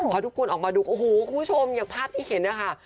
พอทุกคนออกมาดูโอ้โหคุณผู้ชมอย่างภาพที่เห็นนะคะ